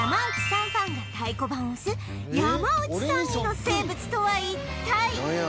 ファンが太鼓判を押す山内さん似の生物とは一体！？